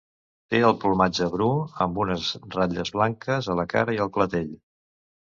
Té el plomatge bru amb unes ratlles blanques a la cara i al clatell.